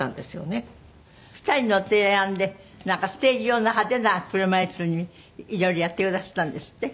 ２人の提案でなんかステージ用の派手な車椅子にいろいろやってくだすったんですって？